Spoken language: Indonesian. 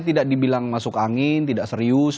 tidak dibilang masuk angin tidak serius